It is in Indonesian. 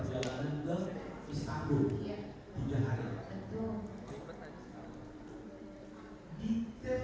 ketika melakukan sit itu